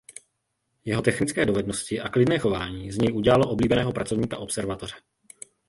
Jeho technické dovednosti a klidné chování z něj udělalo oblíbeného pracovníka observatoře.